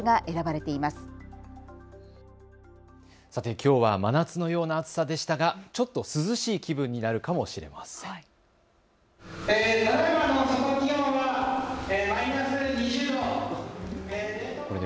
きょうは真夏のような暑さでしたがちょっと涼しい気分になるかもしれません。